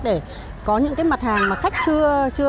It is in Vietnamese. để có những mặt hàng mà các doanh nghiệp có thể tạo ra